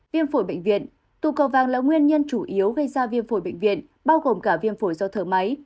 viêm phổi bệnh viện tù cầu vàng là nguyên nhân chủ yếu gây ra viêm phổi bệnh viện bao gồm cả viêm phổi do thở máy